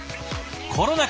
コロナ禍